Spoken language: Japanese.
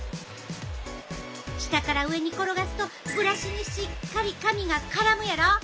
下から上に転がすとブラシにしっかり髪が絡むやろ。